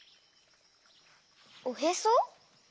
おへそ？